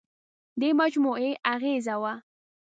دې مجموعې اغېزه وه.